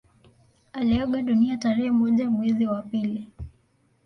Aliaga dunia tarehe moja mwezi wa pili